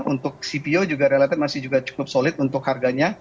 untuk cpo juga relatif masih juga cukup solid untuk harganya